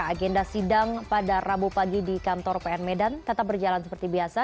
agenda sidang pada rabu pagi di kantor pn medan tetap berjalan seperti biasa